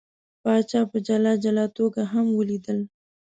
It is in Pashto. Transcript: پاچا په جلا جلا توګه هم ولیدل.